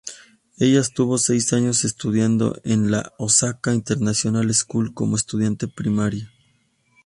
Ella estuvo seis años estudiando en la Osaka Internacional School como estudiante primaria.